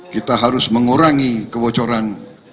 kita harus mengurangi kebocoran